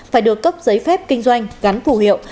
phải được cấp giấy phép kinh doanh gắn phù hiệu